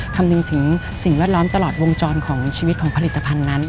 คำนึงถึงสิ่งแวดล้อมตลอดวงจรของชีวิตของผลิตภัณฑ์นั้น